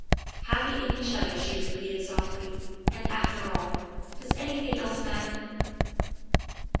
" Happy in each other," she repeated softly, " and, after all, does anything else matter